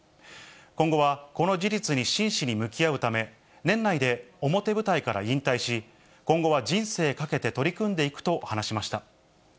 今後はこの事実に真摯に向き合うため、年内で表舞台から引退し、今後は人生懸けて取り組んでいくと話しました。